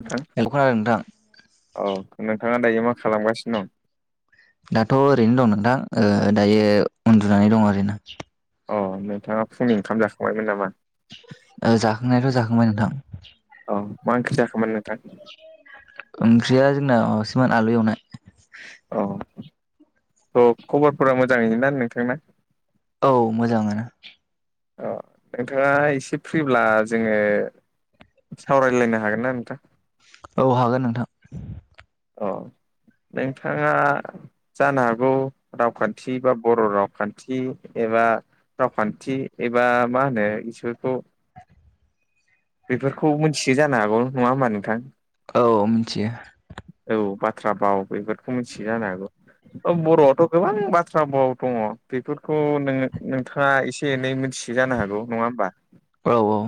नोंथां हेल' खोनादों नोंथां औ नोंथाङा दायो मा खालामगासिनो दं दाथ' ओरैनो दं नोंथां दायो उन्दुनानै दं आरोना अ नोंथाङा फुंनि ओंखाम जाखांबायमोन नामा ओ जाखांनायाथ' जाखांबाय नोंथां औ मा ओंख्रि जाखोमोन नोंथां ओंख्रिया जोंना माबासोमोन आलु एवनाय औ थ' खबरफोरा मोजाङैनो ना नोंथांना औ मोजांआनो अ नोंथाङा एसे फ्रिब्ला जोङो सावरायलायनो हागोन ना नोंथां औ हागोन नोंथां अ नोंथाङा जानो हागौ रावखान्थि बा बर' रावखान्थि एबा रावखान्थि एबा मा होनो इसोरखौ बेफोरखौ मिथियो जानो हागौ नङा होमबा नोंथां औ मिथियो औ बाथ्रा बाव बेफोरखौ मिथियो जानो हागौ बर'आथ' गोबां बाथ्रा फाव दङ बेफोरखौ नोङो नोंथाङा एसे एनै मोनथि यो जानो हागौ नङा होमबा औ औ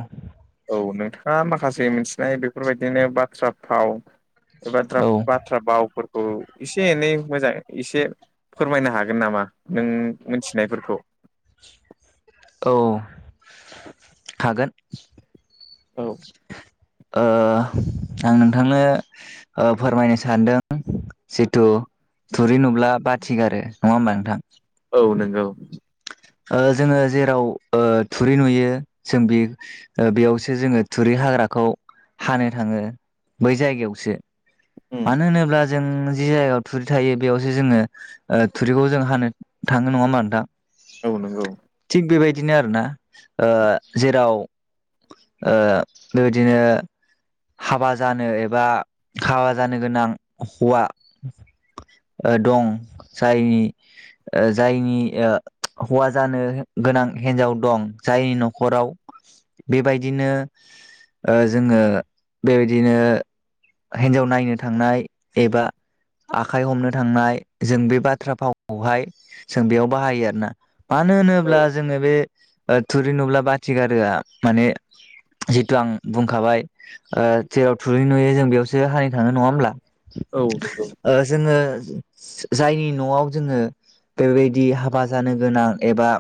औ नोंथाङा माखासे मिथिनाय बेफोरबायदिनो बाथ्रा फाव एबा औ बाथ्रा बावफोर औ एसे एनै मोजां एसे फोरमायनो हागोन नामा नों मिथिनायफोरखौ औ हागोन औ ओ [inaudible] आं नोंथांनो फोरमायनो सानदों जिथु थुरि नुब्ला बाथि गारो नङा होमबा नोंथां औ नंगौ जोङो जेराव थुरि नुयो जों बे बेयावसो जोङो थुरि हाग्राखौ हानो थाङो बै जायगायावसो उम मानो होनोब्ला जों जि जायगायाव थुरि थायो बेयावसो जोङो थुरिखौ जों हानो थाङो नङा होनबा नोंथां औ नंगौ थिग बेबायदिनो आरोना ओ जेराव ओ बेबायदिनो हाबा जानो एबा हाबा जानो गोनां हौवा दं जायनि जायनि हौवा जानो गोनां हिन्जाव दं जायनि न'खराव बेबायदिनो जोङो बेबायदिनो हिन्जाव नायनो थांनाय एबा आखाइ हमनो थांनाय जों बे बाथ्रा फावखौहाय जों बेयाव बाहायो आरो ना मानो औ होनोब्ला जों जोङो बे थुरि नुब्ला बाथि गारोआ माने जिथु आं बुंखाबाय जेराव थुरि नुयो जों बेयावसो हाहैखागोन नङा होमब्ला? औ औ जोङो जायनि न'आव जोङो बेबायदि हाबा जानो गोनां एबा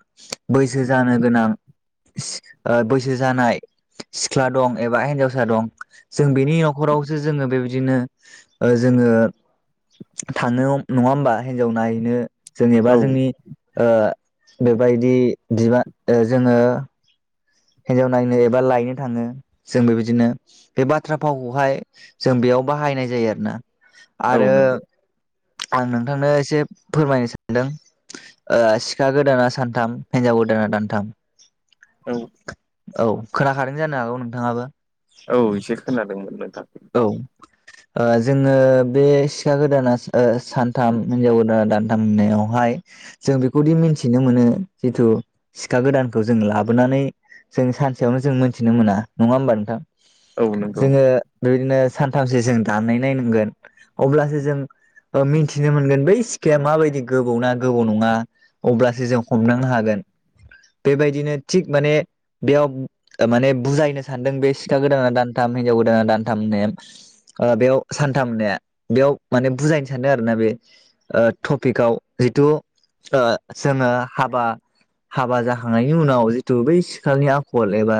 बैसो जानो गोनां बैसो जानाय सिख्ला दं एबा हिन्जावसा दं जों बेनि न'खरावसो जोङो बेबायदिनो जोङो थांनो नङा होमबा हिन्जाव नायहैनो जेनेबा औ जोंनि बेबायदि बिबान जोङो हिनजाव नायनो एबा लायनो थाङो जों बेबायदिनो बे बाथ्रा फावखौहाय जों बेयाव बाहायनाय जायो आरोना औ आरो नंगौ आं नोंथांनो एसे फोरमायनो सानदों सिखा गोदाना सानथाम हिनजाव गोदाना दानथाम औ औ खोनाखादों जानो हागौ नोंथाङाबो औ एसे खोनादोंमोन नोंथाङा औ जोङो बे सिखा गोदाना सानथाम हिनजाव गोदाना दानथाम होननायावहाय जों बेखौदि मिन्थिनो मोनो जिथु सिखा गोदानखौ जों लाबोनानै जों सानसेयावनो जों मोन्थिनो मोना नङा होमबा नोंथां औ नंगौ जोङो बेदिनो सानथामसो जों दाननाय नायनांगोन अब्लासो जों मिथिनो मोनगोन बै सिखाया माबायदि गोबौ ना गोबौ नङा अब्लासो जों हमदांनो हागोन बेबायदिनो थिग माने बेयाव माने बुजायनो सानदों बे सिखा गोदाना दानथाम हिनजाव गोदाना दानथाम होननाय बेयाव सानथाम मोननाया बेयाव माने बुजायनो सानोदों आरो ना बे टपिकआव जिथु जोङो हाबा हाबा जाखांनायनि उनाव जितु बै सिख्लानि आखल एबा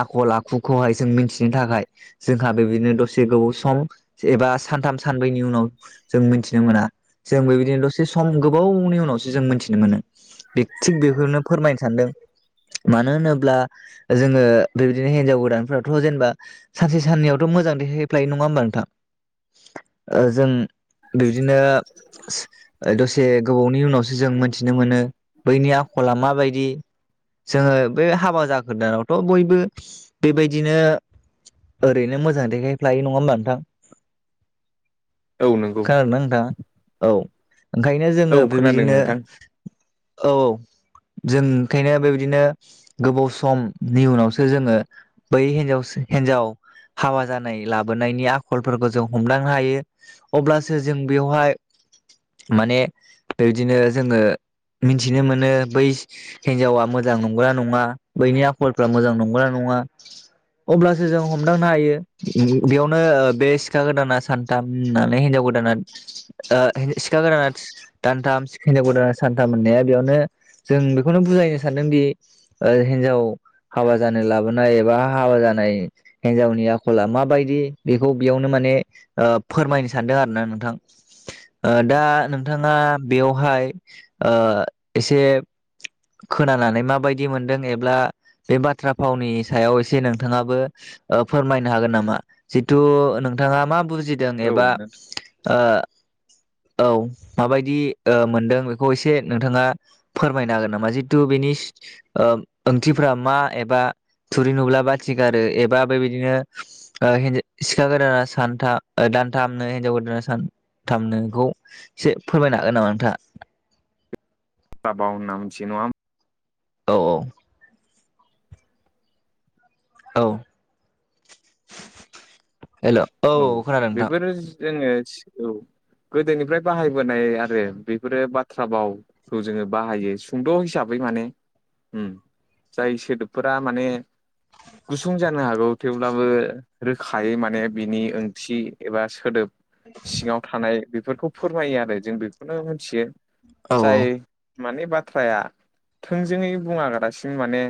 आखल आखुखौहाय जों मिथिनो थाखाय जोंहा बेदिनो दसे गोबाव सम एबा सानथाम सानब्रैनि उनाव जों मिथिनो मोना जों बेबायदिनो दसे सम गोबावनि उनावसो जों मोनथिनो मोनो। बे थिग बेखौनो फोरमायनो सानदों। मानो होनोब्ला जोङो बेबायदिनो हिनजाव गोदानफोराथ' जेनेबा सानसे साननयावथ' मोजां देखायफ्लायो नङा होमबा नोंथां जों बिबदिनो दसे गोबावनि उनावसो जों मोनथिनो मोनो बैनि आखला माबायदि जोङो बे हाबा जागोदानावथ' बयबो बेबायदिनो ओरैनो मोजां देखायफ्लायो नङा होमबा नोंथां औ नंगौ खोनादोंना नोंथां औ ओंखायनो औ जोङो खोनादों बेबायदिनो नोंथां औ औ जों ओंखायनो बेबायदिनो गोबाव समनि उनावसो जोङो बै हिनजाव हिनजाव हाबा जानाय लाबोनायनि आखलफोरखौ जों हमदांनो हायो अब्लासो जों बेवहाय माने बेबादिनो जोङो मिथिनो मोनो बै हिनजावा मोजां नंगोना नङा बैनि आखलफ्रा मोजां नंगोना नङा अब्लासो जों हम दांनो हायो बेयावनो बे सिखा गोदाना सानथाम होननानै हिनजाव गोदाना सिखा गोदाना दानथाम हिनजाव गोदान सानथाम होननाया बेयावनो जों बेखौनो बुजायनो सानदोंदि हिनजाव हाबा जानो लाबोनाय एबा हाबा जानाय हिन्जावनि आखला माबायदि बेखौ बेयावनो माने फोरमायनो सानदों आरो ना नोंथां दा नोंथाङा बेयावहाय एसे खोनानानै माबायदि मोनदों एब्ला बे बाथ्रा फावनि सायाव एसे नोंथाङाबो फोरमायनो हागोन नामा जिथु नोंथाङा मा बुजि दों औ एबा नोंथां औ माबायदि मोनदों बेखौ एसे नोंथाङा फोरमायनो हागोन नामा जिथु बेनि ओंथिफ्रा मा एबा थुरि नुब्ला बाथि गारो एबा बेबायदिनो सिखा गोदाना सानथाम दानथामनो हिनजाव गोदाना सानथामनोखौ एसे फोरमायनो हागोन नामा नोंथाङा [unintelligible] बाव होनना मिथियो नङा होम औ औ औ हेल' औ खोनादों नोंथां बेफोर जोङो औ गोदोनिफ्राय बाहायबोनाय आरो बेफोरो बा थ्राबावखौ जोङो बाहायो सुंद' हिसाबै माने जाय सोदोबफोरा माने गुसुं जानो हागौ थेवब्लाबो रोखायै माने बिनि ओंथि एबा सोदोब सिङाव थानाय बेफोरखौ फोरमायो आरो जों बेखौनो मोनथियो औ जाय माने बाथ्राया थोंजोङै बुङागारासिन माने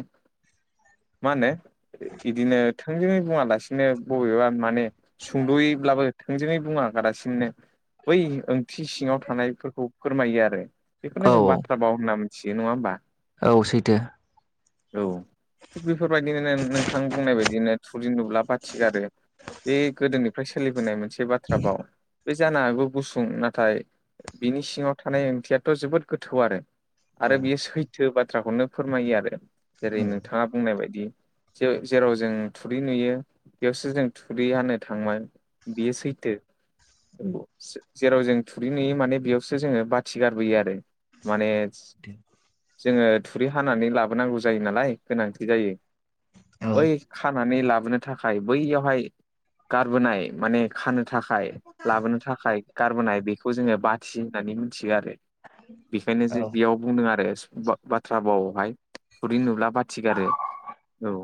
मा होनो इदिनो थोंजोङै बुङालासिनो बबेबा माने सुंद'यैब्लाबो थोंजोङै बुङा गारासिननो बै ओंथि सिङाव थानायफोरखौ फोरमायो आरो औ बेखौनो जों बाथ्रा बाव होनना मिथियो नङा होमबा औ सैथो औ थिग बेफोरबायदिनो नोंथां बुंनाय बायदिनो थुरि नुब्ला बाथि गारो बे गोदोनि फ्राय सोलिबोनाय मोनसे बाथ्रा बाव बे जानो हागौ गुसुं नाथाय बिनि सिङाव थानाय ओंथियाथ' जोबोद गोथौ आरो आरो बियो सैथो बाथ्राखौनो फोरमायो आरो जेरै नोंथाङा बुंनाय बायदि ज जेराव जों थुरि नुयो बेयावसो जों थुरि हानो थांबाय बियो सैथो जेराव जों थुरि नुयो माने बेयावसो जोङो बाथि गारबोयो आरो माने जोङो थुरि हानानै लाबोनांगौ जायो नालाय गोनांथि जायो औ बै खानानै लाबोनो थाखाय बैयावहाय गारबोनाय माने खानो थाखाय लाबोनो थाखाय गारबोनाय बे खौ जोङो बाथि होननानै मिथियो आरो बेखायनो औ जे बेयाव बुंदों आरो बाथ्रा बावावहाय थुरै नुब्ला बाथिगारो औ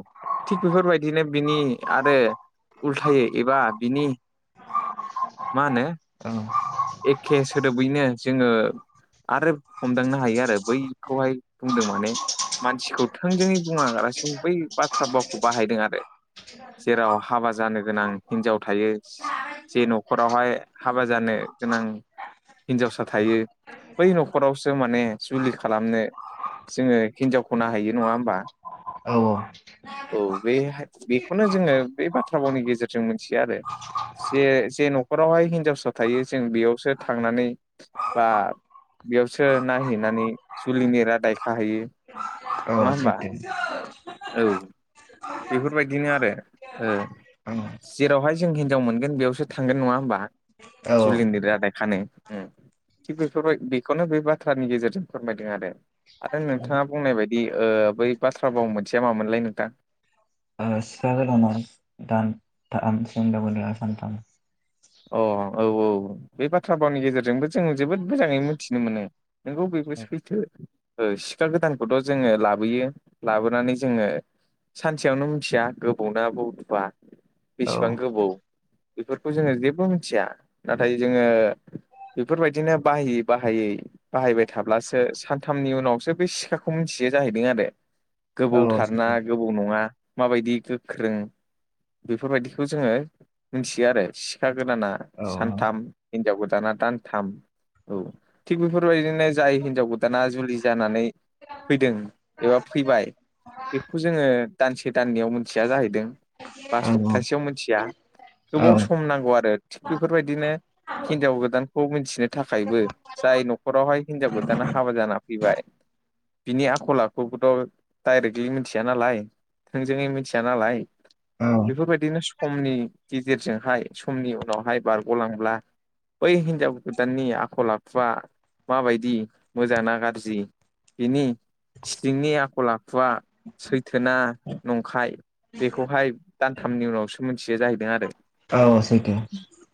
थिग बेफोरबायदिनो बिनि आरो उल्थायो एबा बिनि मा होनो [inaudible] एखे सोदोबैनो जोङो आरो हमदांनो हायो आरो बैखौहाय बुंदों माने मानसिखौ थोंजोङै बुङलासिनो बै बाथ्रा भावखौ बाहायदों आरो जेराव हाबा जानो गोनां हिनजाव थायो जे न'खरावहाय हाबा जानो गोनां हिनजावसा थायो बै न'खरावसो माने जुलि खालामनो जोङो हिनजावखौ नाहैयो नङा होमबा औ औ बे बेखौनो जोङो बे बाथ्रा भावनि गेजेरजों मिथियो आरो जे जे न'खरावहाय हिनजावसा थायो जों बेयावसो थांनानै बा बेयावसो नायहैनानै जुलिनि रादाय खाहैयो नङा औ होमबा? सैथो औ बेफोरबायदिनो आरो ओ औ जेरावहाय जों हिनजाव मोनगोन बेयावसो थांगोन नङा होमबा औ जुलिनि रादाय खानो उम थिग बेफोरबाय बेखौनो बे बाथ्रानि गेजेरजों फोरमायदों आरो आरो नोंथाङा बुंनाय बायदि ओ बै बाथ्रा भाव मोनसेया मामोनलाय नोंथां? ओ सिखा गोदाना दानथाम हिनजाव गोदाना सानथाम अ औ औ बे बाथ्रा भावनि गेजेरजोंबो जोङो जोबोद मोजाङै मिथिनो मोनो नोंगौ बबो सैथो ओं सिखा गोदानखौथ' जोङो लाबोयो लाबोनानै जोङो सानसेयावनो मिथिया गोबौना बुथुवा औ बेसेबां गोबौ बेफोरखौ जोङो जेबो मिथिया नाथाय जोङो बेफोरबायदिनो बाहायै बाहायै बाहायबाय थाब्लासो सानथामनि उनावसो बे सिखाखौ मिथियो जाहैदों आरो औ गोबौथारना सैथो गोबौ नङा माबायदि गोख्रों बेफोरबायदिखौ जोङो मिथियो आरो सिखा गोदाना औ सानथाम हिनजाव गोदाना दानथाम औ थिग बेफोरबायदि नो जाय हिनजाव गोदाना जुलि जानानै फैदों एबा फैबाय बेखौ जोङो दानसे दाननैयाव मोनथिया जाहैदों बा औ सप्तासेयाव मोनथिया गोबाव सम नांगौ आरो थिग बेफोरबायदिनो हिनजाव गोदानखौ मिथिनो थाखायबो जाय न'खरावहाय हिनजाव गोदाना हाबा जाना फैबाय बिनि आखल आखुखौथ' डायरेक्टलि मिथिया नालाय थोंजोङै मिथिया नालाय बेफोरबायदिनो समनि गेजेरजोंहाय समनि उनावहाय बारग'लांब्ला बै हिन्जाव गोदाननि आखल आखुआ माबायदि मोजां ना गाज्रि बिनि सिंनि आखल आखुवा सैथोना नंखाय बेखौहाय दानथामनि उनावसो मोनथियो जाहैदों आरो औ सैथो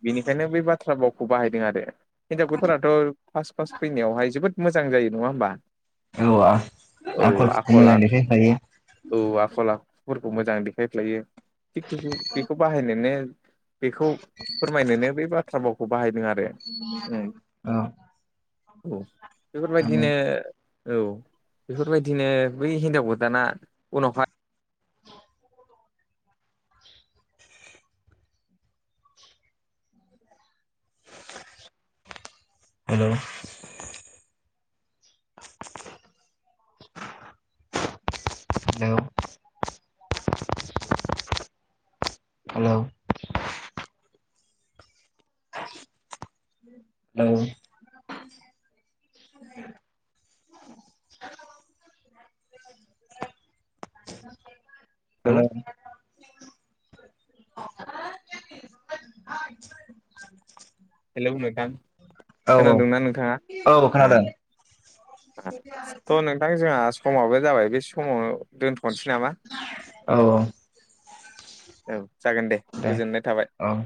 बेनिखायनो बै बाथ्रा भावखौ बाहायदों आरो हिनजाव गोदानाथ' फास फास फैनायावहाय जोबोद मोजां जायो नङा होमबा औ औ आखलफोरखौ आखल मोजां आखु देखायफ्लायो औ आखल आखुफोरखौ मोजां देखायफ्लायो थिग बिदि बेखौ बाहायनोनो बेखौ फोरमायनोनो बै बाथ्रा भावखौ बाहायदों आरो उम औ औ बेफोरबायदिनो हेल' औ बेफोरबायदिनो बै हिनजाव गोदाना उनावहाय hello hello hello hello hello hello नोंथां औ खोनादोंना नोंथाङा? औ आ खोनादों स' नोंथां जोंहा समाबो जाबाय बे समावनो दोन्थ'नोसै नामा? औ-औ औ जागोन दे गोजोननाय थाबाय औ